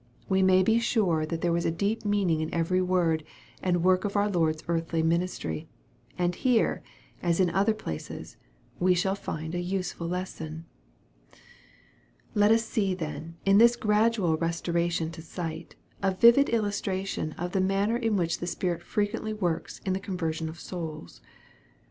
We may be sure that there was a, deep meaning in every word and work of our Lord's earthly ministry, and here, as in other places, we shall find a useful lesson. Let us see then in this gradual restoration to sight, a vivid illustration of the manner in which the Spirit fre quently luorTcs in the conversion of souls.